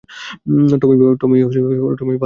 টমিই ভালো, বাবা!